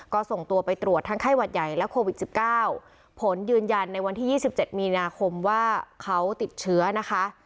ก็ส่งตัวไปตรวจทั้งไข้หวัดใหญ่และโควิด๑๙ผลยืนยันในวันที่๒๗มีนาคมว่าเขาติดเชื้อนะคะ